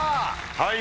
はい。